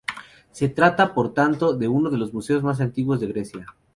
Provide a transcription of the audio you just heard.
Se trata, por tanto, de uno de los museos más antiguos de Grecia.